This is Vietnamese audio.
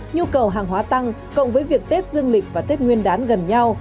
nhu cầu hàng hóa tăng cộng với việc tết dương lịch và tết nguyên đán gần nhau